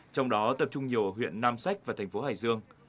trong đó tập trung nhiều ở huyện nam sách và thành phố hải dương